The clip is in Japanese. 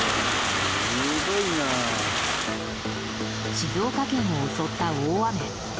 静岡県を襲った大雨。